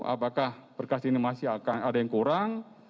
apakah berkas ini masih akan ada yang kurang